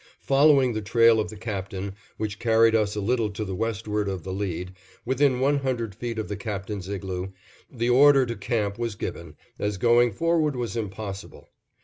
Following the trail of the Captain, which carried us a little to the westward of the lead, within one hundred feet of the Captain's igloo, the order to camp was given, as going forward was impossible.